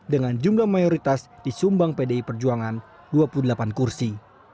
dengan jumlah mayoritas disumbang pdi perjuangan dua puluh delapan kursi